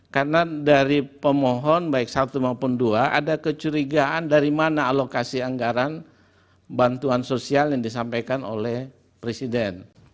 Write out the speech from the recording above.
karena dari pemohon baik satu maupun dua ada kecurigaan dari mana alokasi anggaran bantuan sosial yang disampaikan oleh presiden